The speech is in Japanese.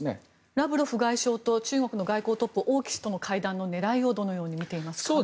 ラブロフ外相と中国の外交トップ、王毅氏との会談の狙いをどのように見ていますか？